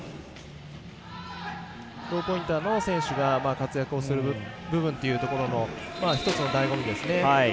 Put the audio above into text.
ローポインターの選手が活躍する部分というところの１つの、だいご味ですね。